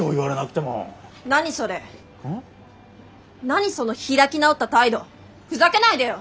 何その開き直った態度ふざけないでよ！